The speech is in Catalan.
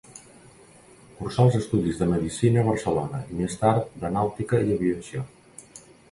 Cursà els estudis de medicina a Barcelona i més tard de nàutica i aviació.